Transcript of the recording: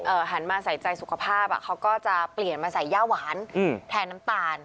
หันมาใส่ใจสุขภาพอ่ะเขาก็จะเปลี่ยนมาใส่ย่าหวานอืมแทนน้ำตาล